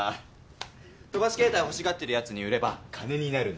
飛ばし携帯欲しがってるやつに売れば金になるんで。